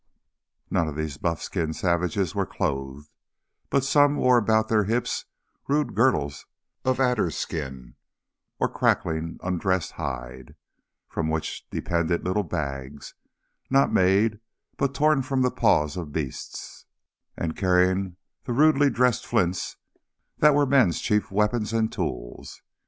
None of these buff skinned savages were clothed, but some wore about their hips rude girdles of adder skin or crackling undressed hide, from which depended little bags, not made, but torn from the paws of beasts, and carrying the rudely dressed flints that were men's chief weapons and tools.